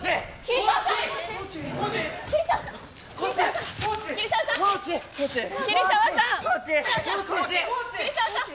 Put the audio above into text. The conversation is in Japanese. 桐沢さん！